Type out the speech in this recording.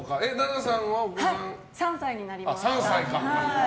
３歳になります。